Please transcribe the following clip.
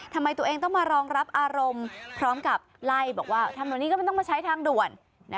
ทำไมตัวเองต้องมารองรับอารมณ์พร้อมกับไล่บอกว่าทำแบบนี้ก็ไม่ต้องมาใช้ทางด่วน